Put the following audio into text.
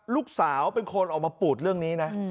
ลูกสาวเป็นคนออกมาปูดเรื่องนี้นะ